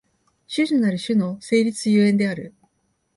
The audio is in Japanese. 種々なる種の成立する所以である。